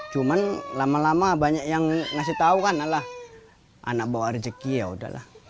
cuman lama lama banyak yang ngasih tau kan alah anak bawa rezeki ya udahlah